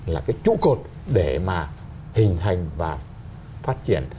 là cái trụ cột để mà hình hành và phát triển